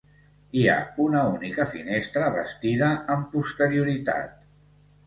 Hi ha una única finestra, bastida amb posterioritat.